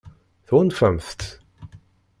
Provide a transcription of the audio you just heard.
Tɣunfamt-t?